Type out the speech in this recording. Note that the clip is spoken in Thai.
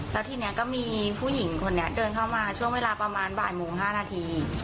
แล้วทีนี้ก็มีผู้หญิงคนนี้เดินเข้ามาช่วงเวลาประมาณบ่ายโมง๕นาที